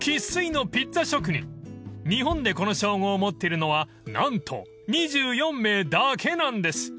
［日本でこの称号を持ってるのは何と２４名だけなんです］